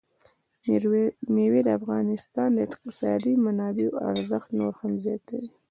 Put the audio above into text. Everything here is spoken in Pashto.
مېوې د افغانستان د اقتصادي منابعو ارزښت نور هم زیاتوي.